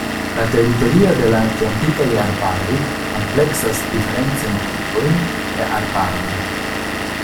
La teritorio de la Atlantikaj arbaroj ampleksas diferencajn tipojn de arbaroj.